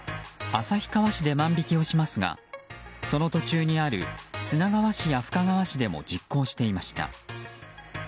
旭川市で万引きをしますがその途中にある砂川市や深川市でも実行していました。